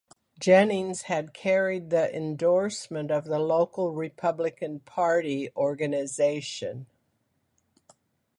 Jennings had carried the endorsement of the local Republican Party organization.